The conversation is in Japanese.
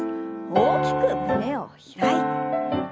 大きく胸を開いて。